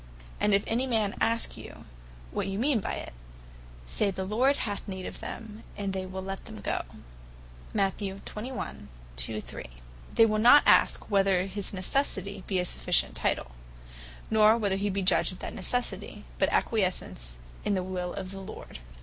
And if any man ask you, what you mean by it, Say the Lord hath need of them: And they will let them go." They will not ask whether his necessity be a sufficient title; nor whether he be judge of that necessity; but acquiesce in the will of the Lord.